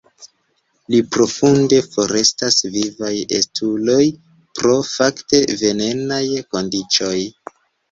Pli profunde forestas vivaj estuloj pro fakte venenaj kondiĉoj.